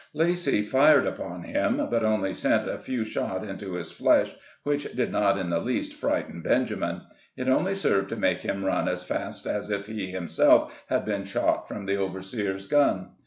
Lacy fired upon him, but only sent a few shot into his flesh, which did not in the least frighten Benjamin; it only served to make him run as fast as if he himself had been shot from the overseer's gun.